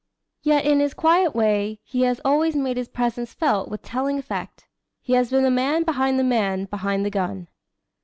Yet in his quiet way he has always made his presence felt with telling effect. He has been the man behind the man behind the gun.